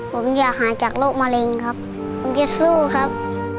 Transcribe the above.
ผมอยากหายจากโรคมะเร็งครับผมจะสู้ครับ